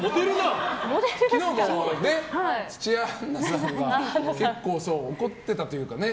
昨日もね、土屋アンナさんが結構怒ってたというかね。